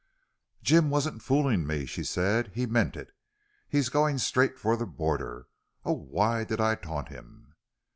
"Jim wasn't fooling me," she said. "He meant it. He's going straight for the border... Oh, why did I taunt him!"